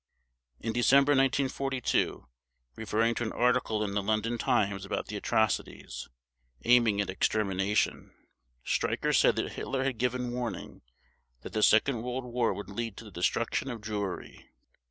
In December 1942, referring to an article in the London Times about the atrocities, aiming at extermination, Streicher said that Hitler had given warning that the second World War would lead to the destruction of Jewry.